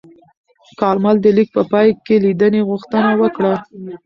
کارمل د لیک په پای کې لیدنې غوښتنه وکړه.